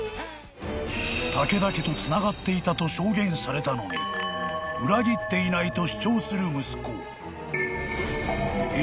［武田家とつながっていたと証言されたのに裏切っていないと主張する息子］